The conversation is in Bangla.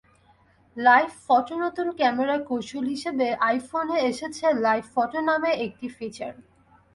লাইভ ফটোনতুন ক্যামেরা কৌশল হিসেবে আইফোনে এসেছে লাইভ ফটো নামের একটি ফিচার।